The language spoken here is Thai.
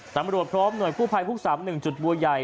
ตำรวจพร้อมหน่วยผู้ภัยภูกษามหนึ่งจุดบัวใหญ่